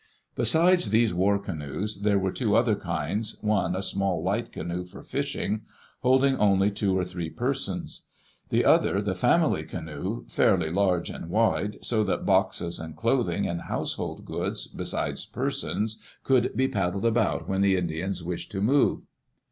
Besides these war canoes, there were two other kinds, one a small light canoe for fishing, holding only two or three persons; the other the family canoe, fairly large and wide, so that boxes and clothing and household goods, besides persons, could be paddled about when the Indians wished to move.